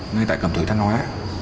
ngay tại cẩm thủy thanh hóa